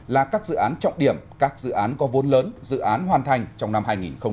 là các dự án trọng điểm các dự án có vốn lớn dự án hoàn thành trong năm hai nghìn hai mươi